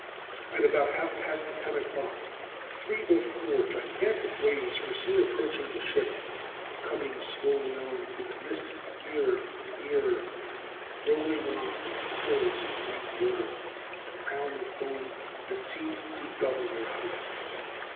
At about half past ten o'clock three or four gigantic waves were seen approaching the ship, coming slowly on through the mist nearer and nearer, rolling on like hills of green water, with a crown of foam that seemed to double their height.